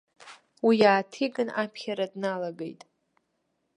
Уи ааҭиган аԥхьара дналагеит.